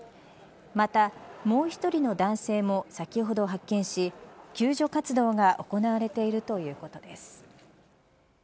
また、もう１人の男性も先ほど発見し救助活動が行われているということです。